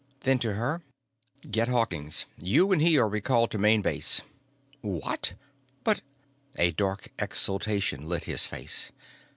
Then to her: "Get Hawkins. You and he are recalled to Main Base." "What? But " A dark exultation lit his face.